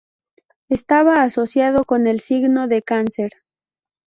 Está asociado con el signo de Cáncer.